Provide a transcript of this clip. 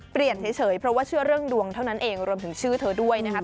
เฉยเพราะว่าเชื่อเรื่องดวงเท่านั้นเองรวมถึงชื่อเธอด้วยนะครับ